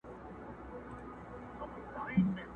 o بې ډوډۍ ښه، بې کوره نه.